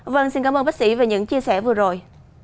vâng xin cảm ơn bác sĩ về những chia sẻ vừa rồi